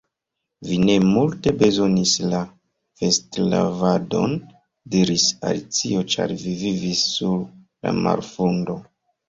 "Vi ne multe bezonis la vestlavadon," diris Alicio "ĉar vi vivis sur la marfundo."